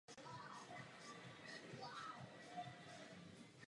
Neměli bychom usilovat o dobré investice na účet budoucích generací.